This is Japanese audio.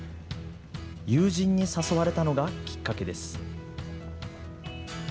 友人に誘われたのがきっかけです。